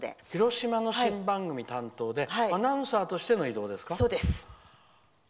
広島の新番組担当でアナウンサーとしての異動ですか。